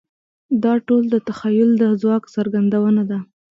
دا ټول د تخیل د ځواک څرګندونه ده.